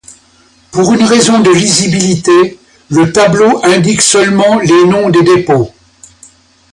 Pour une raison de lisibilité, le tableau indique seulement les noms des dépôts.